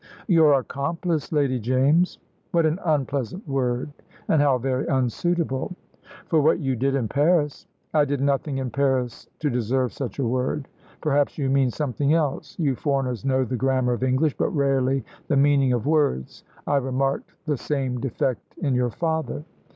"Your accomplice, Lady James." "What an unpleasant word, and how very unsuitable!" "For what you did in Paris." "I did nothing in Paris to deserve such a word. Perhaps you mean something else. You foreigners know the grammar of English, but rarely the meaning of words. I remarked the same defect in your father."